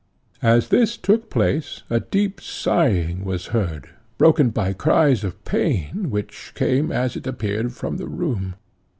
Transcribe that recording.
As this took place a deep sighing was heard, broken by cries of pain, which came, as it appeared, from the room.